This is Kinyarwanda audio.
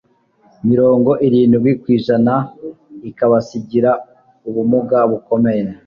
mirongo irindwi kw'ijana ikabasigira ubumuga bukomeye.